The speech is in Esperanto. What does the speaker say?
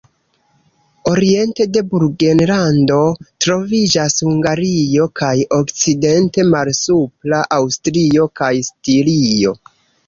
Oriente de Burgenlando troviĝas Hungario kaj okcidente Malsupra Aŭstrio kaj Stirio.